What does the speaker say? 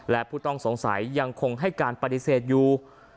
และผู้ต้องสงสัยยังคงให้การปฏิเสธอยู่